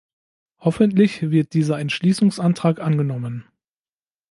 Hoffentlich wird dieser Entschließungsantrag angenommen.